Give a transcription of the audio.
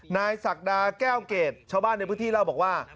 ศักดาแก้วเกรดชาวบ้านในพื้นที่เล่าบอกว่า